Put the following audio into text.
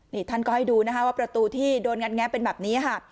นี่ท่านก็ให้ดูนะคะว่าประตูที่โดนงัดแงะเป็นแบบนี้ค่ะ